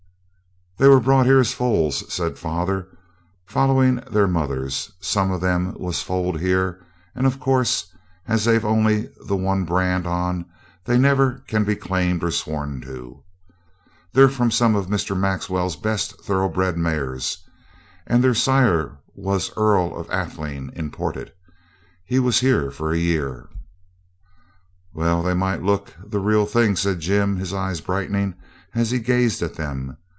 'They were brought here as foals,' says father, 'following their mothers. Some of them was foaled here; and, of course, as they've only the one brand on they never can be claimed or sworn to. They're from some of Mr. Maxwell's best thoroughbred mares, and their sire was Earl of Atheling, imported. He was here for a year.' 'Well, they might look the real thing,' said Jim, his eyes brightening as he gazed at them.